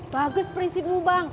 bagus prinsipmu bang